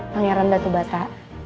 pengiran datu bata